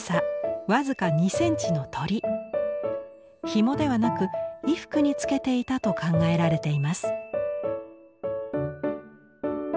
ひもではなく衣服につけていたと考えられています。